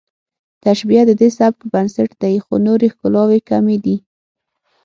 تشبیه د دې سبک بنسټ دی خو نورې ښکلاوې کمې دي